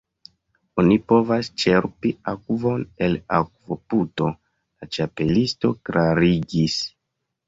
"Oni povas ĉerpi akvon el akvoputo," la Ĉapelisto klarigis.